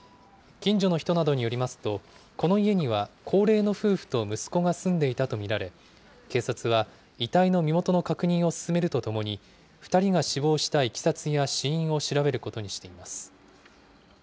近所の人などによりますと、この家には高齢の夫婦と息子が住んでいたと見られ、警察は遺体の身元の確認を進めるとともに、２人が死亡したいきさつや死因を調べることにしています。